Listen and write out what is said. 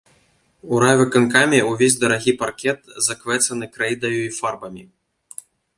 У райвыканкаме ўвесь дарагі паркет заквэцаны крэйдаю й фарбамі.